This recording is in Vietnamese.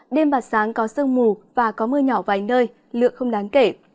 đêm và sáng có sương mù và có mưa nhỏ vài nơi lượng không đáng kể